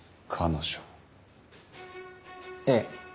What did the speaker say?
ええ。